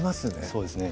そうですね